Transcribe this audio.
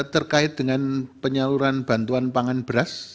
terkait dengan penyaluran bantuan pangan beras